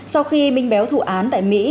sau khi minh béo thụ án tại mỹ